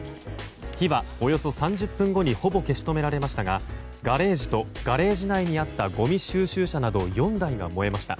火はおよそ３０分後にほぼ消し止められましたがガレージと、ガレージ内にあったごみ収集車など４台が燃えました。